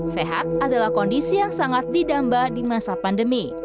sehat adalah kondisi yang sangat didamba di masa pandemi